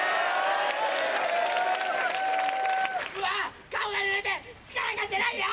うわっ顔が濡れて力が出ないよ！